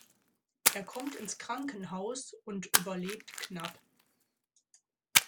Er kommt ins Krankenhaus und überlebt knapp.